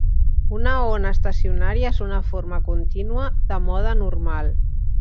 Una ona estacionària és una forma contínua de mode normal.